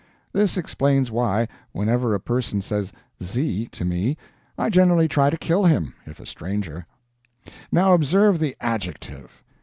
This explains why, whenever a person says SIE to me, I generally try to kill him, if a stranger. Now observe the Adjective.